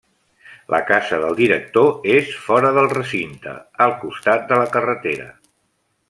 La casa del director és fora del recinte, al costat de la carretera.